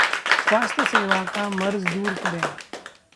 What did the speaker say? स्वास्थ्य सेवा का मर्ज दूर करें